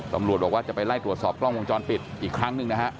ตำรวจบอกว่าจะไปไล่ตรวจสอบกล้องวงจรปิดอีกครั้งหนึ่งนะฮะ